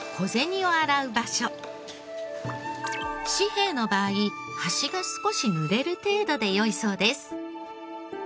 紙幣の場合端が少しぬれる程度でよいそうです。